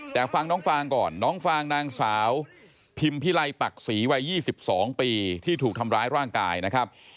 แต่ฟังน้องฟางก่อนน้องฟางนางสาวพิมพิไลปักศรีวัย๒๒ปีที่ถูกทำร้ายร่างกายนะครับ